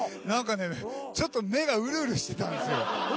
何かねちょっと目がうるうるしてたんですよ。